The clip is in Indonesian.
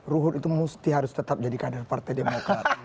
ruhut itu mesti harus tetap jadi kader partai demokrat